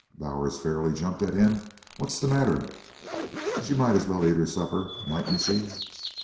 Bowers fairly jumped at him. "What's the matter?" "She might as well eat her supper, mightn't she?"